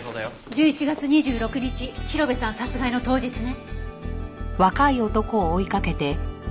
１１月２６日広辺さん殺害の当日ね。